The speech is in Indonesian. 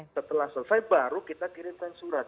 setelah selesai baru kita kirimkan surat